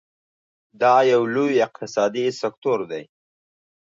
دا یو لوی اقتصادي سکتور دی.